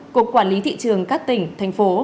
cục quản lý thị trường các tỉnh thành phố